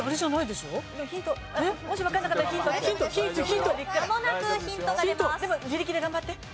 でも自力で頑張って。